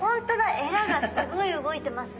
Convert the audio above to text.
えらがすごい動いてますね。